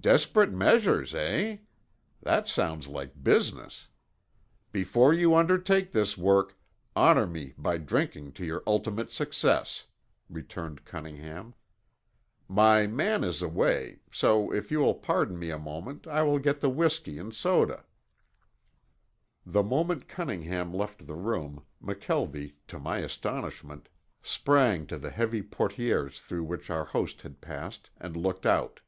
"Desperate measures, eh? That sounds like business. Before you undertake this work, honor me by drinking to your ultimate success," returned Cunningham. "My man is away, so if you will pardon me a moment I will get the whisky and soda." The moment Cunningham left the room, McKelvie to my astonishment, sprang to the heavy portieres through which our host had passed and looked out.